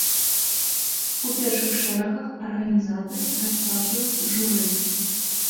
У першых шэрагах арганізатары рассаджваюць журы.